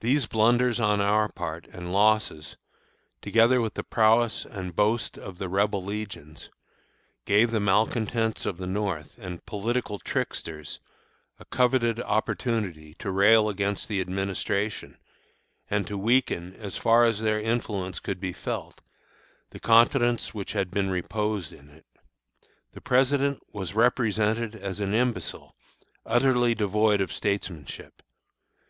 These blunders on our part and losses, together with the prowess and boast of the Rebel legions, gave the malcontents of the North, and political tricksters, a coveted opportunity to rail against the Administration, and to weaken, as far as their influence could be felt, the confidence which had been reposed in it. The President was represented as an imbecile, utterly devoid of statesmanship.